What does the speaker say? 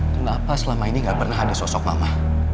kenapa selama ini gak pernah ada sosok mama